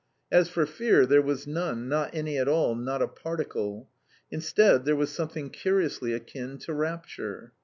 As for fear, there was none, not any at all, not a particle. Instead, there was something curiously akin to rapture.